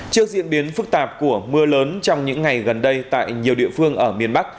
trước diễn biến phức tạp của mưa lớn trong những ngày gần đây tại nhiều địa phương ở miền bắc